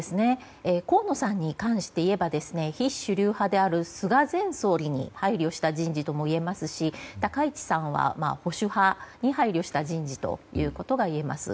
河野さんに関して言えば非主流派である菅前総理に配慮した人事ともいえますし高市さんは保守派に配慮した人事ということが言えます。